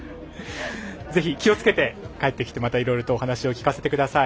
ぜひ気をつけて帰ってきてお話を聞かせてください。